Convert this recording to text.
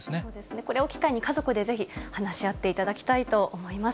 これを機会に家族でぜひ、話し合っていただきたいと思います。